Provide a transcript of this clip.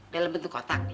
dalam bentuk kotak